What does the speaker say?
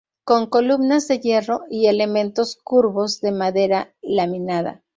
Con columnas de hierro y elementos curvos de madera laminada.